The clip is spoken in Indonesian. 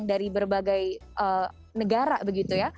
dari berbagai negara begitu ya